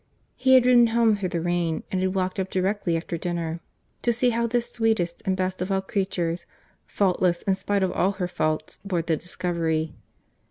He had ridden home through the rain; and had walked up directly after dinner, to see how this sweetest and best of all creatures, faultless in spite of all her faults, bore the discovery.